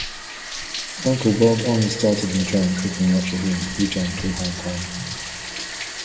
Uncle Bob only started enjoying cooking after he returned to Hong Kong.